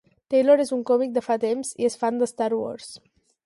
Taylor és un còmic de fa temps i fan de "Star Wars".